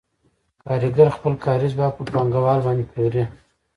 کارګر خپل کاري ځواک په پانګوال باندې پلوري